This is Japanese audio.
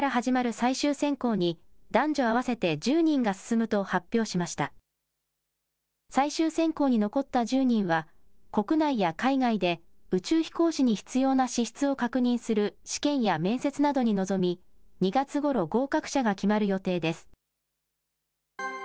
最終選考に残った１０人は、国内や海外で宇宙飛行士に必要な資質を確認する試験や面接などに臨み、２月ごろ、合格者が決まる予定です。